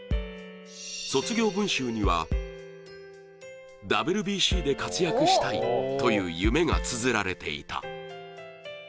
卒業文集には、「ＷＢＣで活躍したい」という夢がつづられていた。